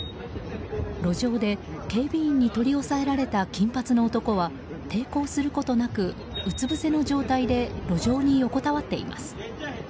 路上で警備員に取り押さえられた金髪の男は抵抗することなくうつぶせの状態で路上に横たわっています。